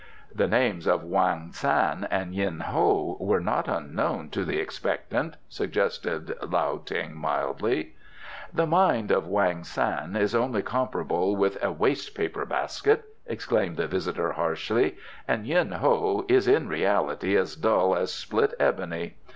"The names of Wang san and Yin Ho were not unknown to the expectant," suggested Lao Ting mildly. "The mind of Wang san is only comparable with a wastepaper basket," exclaimed the visitor harshly; "and Yin Ho is in reality as dull as split ebony.